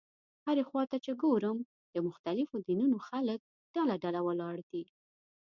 هرې خوا ته چې ګورم د مختلفو دینونو خلک ډله ډله ولاړ دي.